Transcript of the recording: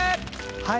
はい。